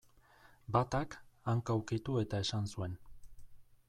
Batak, hanka ukitu eta esan zuen.